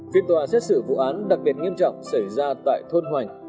phiên tòa xét xử vụ án đặc biệt nghiêm trọng xảy ra tại thôn hoành